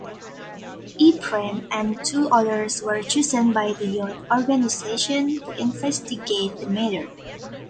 Ephraim and two others were chosen by the youth organization to investigate the matter.